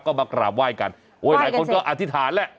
ก็มากราบไหว้กันโอ้ยหลายคนก็อธิษฐานแหละ